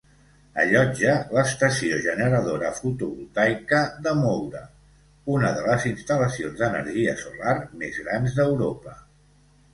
Allotja l'estació generadora fotovoltaica de Moura, una de les instal·lacions d'energia solar més grans d'Europa.